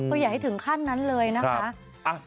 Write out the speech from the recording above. ก็อย่าให้ถึงขั้นนั้นเลยนะคะ